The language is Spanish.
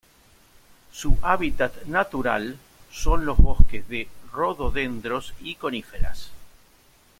Su hábitat natural son los bosques de rododendros y coníferas.